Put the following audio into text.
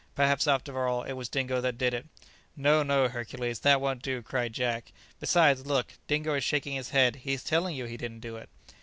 Perhaps, after all, it was Dingo that did it." "No, no, Hercules, that won't do," cried Jack; "besides, look, Dingo is shaking his head; he is telling you he didn't do it."